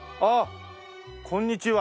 こんにちは。